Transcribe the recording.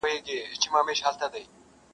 په حرامو سړی کله نه مړېږي,